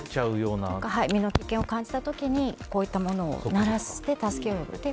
身の危険を感じた時にこういったものを鳴らして助けを呼んで。